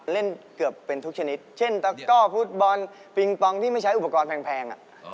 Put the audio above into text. เล่นเกือบเป็นทุกชนิดเช่นตะก้อฟุตบอลปิงปองที่ไม่ใช้อุปกรณ์แพง